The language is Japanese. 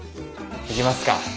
行きますか。